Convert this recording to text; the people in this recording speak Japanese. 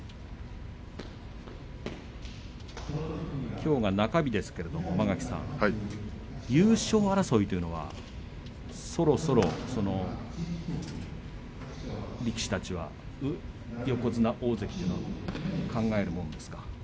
きょうが中日ですけれども間垣さん、優勝争いというのはそろそろ力士たちは横綱大関は考えるものですか？